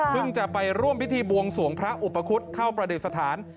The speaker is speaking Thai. เพิ่งจะไปร่วมพิธีบวงสวงพระอุปคุฏเข้าประเด็นสถาน